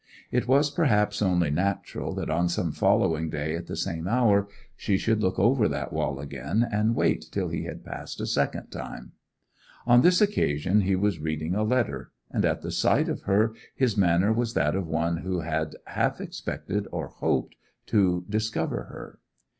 It was perhaps only natural that on some following day at the same hour she should look over that wall again, and wait till he had passed a second time. On this occasion he was reading a letter, and at the sight of her his manner was that of one who had half expected or hoped to discover her.